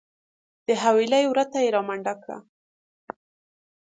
د حویلۍ وره ته یې رامنډه کړه .